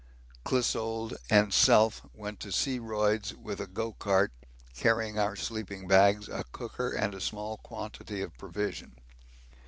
Clissold, and self went to C. Royds with a 'go cart' carrying our sleeping bags, a cooker, and a small quantity of provision.